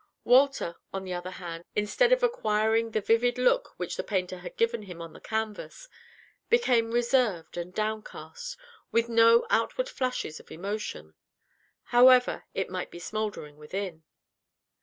Walter, on the other hand, instead of acquiring the vivid look which the painter had given him on the canvas, became reserved and downcast, with no outward flashes of emotion, however it might be smouldering within.